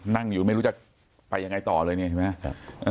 นั่งอยู่ไม่รู้จะไปยังไงต่อเลยเนี่ยใช่ไหม